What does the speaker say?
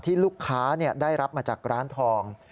ลูกค้าได้รับมาจากร้านทอง